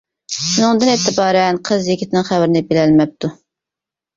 شۇنىڭدىن ئېتىبارەن، قىز يىگىتنىڭ خەۋىرىنى بىلەلمەپتۇ.